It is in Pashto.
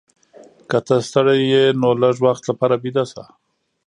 که ته ستړې یې نو لږ وخت لپاره ویده شه.